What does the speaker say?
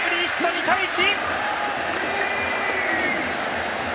２対１！